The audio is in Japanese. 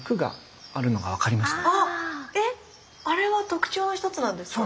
えあれは特徴の一つなんですか？